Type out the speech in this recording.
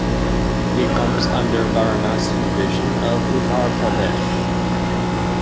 It comes under Varanasi division of Uttar Pradesh.